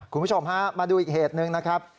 คุณผู้ชมฮะมาดูอีกเหตุหนึ่งนะครับ